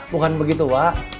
bukan begitu wak